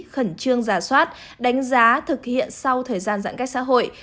khẩn trương giả soát đánh giá thực hiện sau thời gian giãn cách xã hội